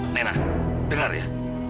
nena dengar ya